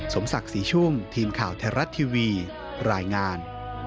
สมศักดิ์ศรีชุ่มทีมข่าวไทยรัฐทีวีรายงาน